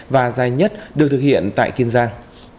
và dài nhất được thực hiện tại kiên giang